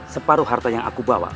separuh harta yang aku bawa